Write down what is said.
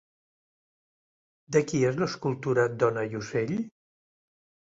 De qui és l'escultura Dona i ocell?